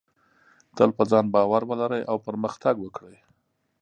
تل په ځان باور ولرئ او پرمختګ وکړئ.